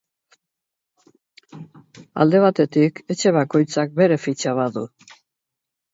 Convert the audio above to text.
Alde batetik, etxe bakoitzak bere fitxa badu.